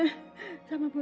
uang kita sudah diambil